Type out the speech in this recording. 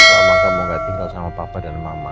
mama kamu gak tinggal sama papa dan mama